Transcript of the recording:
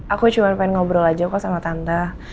aku cuma pengen ngobrol aja kok sama tante